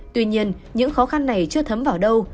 tuy nhiên những khó khăn này chưa thấm vào đâu